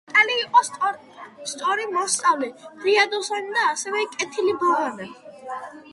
ნატალი იყო სწორი მოსწავლე ფრიადოსანი და ასევე კეთილი